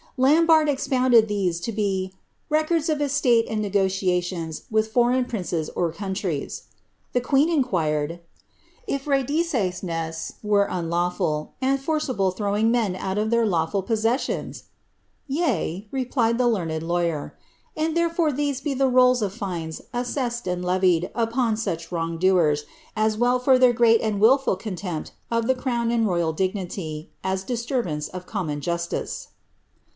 Lambarde expounded these to be ■* records of estate and negotiatioiu with foreign princes or countries." The queen inquired " if rediseisnei were unlawful, and forcible throwing men out of their lawful posses sions ?"" Yea," replied the learned lawyer, " and therefore these be the rolls of fines assessed and levied upon such wrong doers, as well for their great and wilful contempt of the crown and royal dignity, as ijIs turbance of common justice."